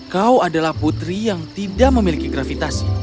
kau adalah putri yang tidak memiliki gravitasi